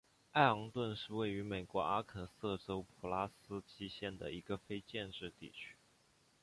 艾昂顿是位于美国阿肯色州普拉斯基县的一个非建制地区。